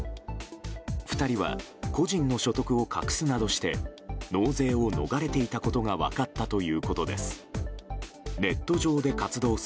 ２人は個人の所得を隠すなどして納税を逃れていたことが分かったということです。